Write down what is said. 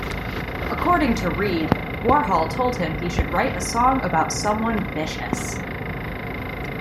According to Reed, Warhol told him he should write a song about someone vicious.